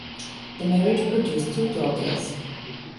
The marriage produced two daughters.